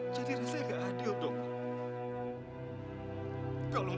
jadi rasanya nggak adil dong